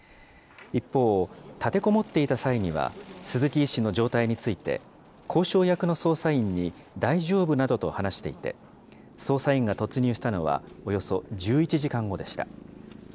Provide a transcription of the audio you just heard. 一方、立てこもっていた際には、鈴木医師の状態について、交渉役の捜査員に、大丈夫などと話していて、捜査員が突入したのはおよそ１１時間後でした。